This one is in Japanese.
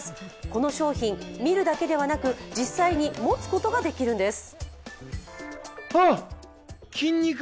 この商品、見るだけでなく、実際に持つことができるんです。